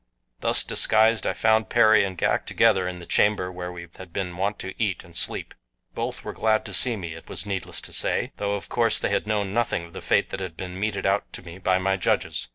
Thus disguised I found Perry and Ghak together in the chamber where we had been wont to eat and sleep. Both were glad to see me, it was needless to say, though of course they had known nothing of the fate that had been meted out to me by my judges.